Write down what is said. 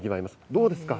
どうですか？